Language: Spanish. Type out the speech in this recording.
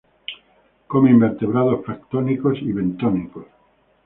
Come invertebrados planctónicos y bentónicos.